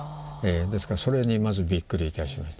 ですからそれにまずびっくりいたしました。